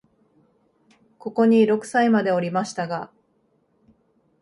ここに六歳までおりましたが、